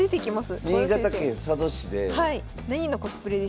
新潟県佐渡市で。